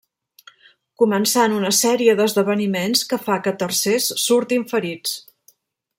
Començant una sèrie d'esdeveniments que fa que tercers surtin ferits.